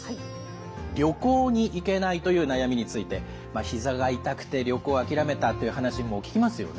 「旅行に行けない」という悩みについてひざが痛くて旅行を諦めたという話も聞きますよね。